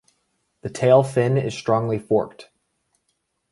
The tail fin is strongly forked.